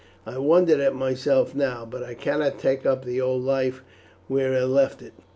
I wonder at myself now, but I cannot take up the old life where I left it.